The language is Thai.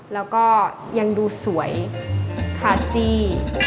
แล้วก็ยังดูสวยคาซี่